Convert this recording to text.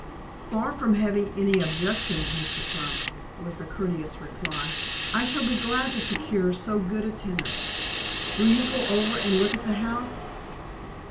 "Far from having any objections, Mr. Crump," was the courteous reply, "I shall be glad to secure so good a tenant. Will you go over and look at the house?"